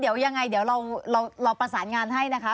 เดี๋ยวยังไงเดี๋ยวเราประสานงานให้นะคะ